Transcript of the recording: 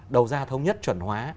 đầu ra thông nhất chuẩn hóa